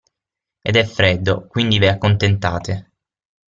Ed è freddo, quindi ve accontentate'.